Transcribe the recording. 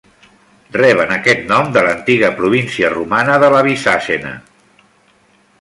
Reben aquest nom de l'antiga província romana de la Bizacena.